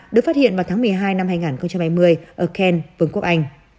được phát hiện vào tháng một mươi hai năm hai nghìn hai mươi ở can vương quốc anh